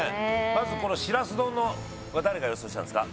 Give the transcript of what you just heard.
まずこのしらす丼は誰が予想したんですか？